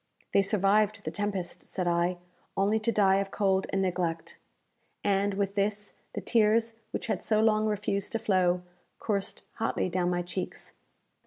"They survived the tempest," said I, "only to die of cold and neglect!" And, with this, the tears which had so long refused to flow, coursed hotly down my cheeks.